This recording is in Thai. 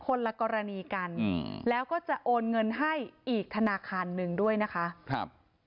คนละกรณีกันอืมแล้วก็จะโอนเงินให้อีกธนาคารหนึ่งด้วยนะคะครับ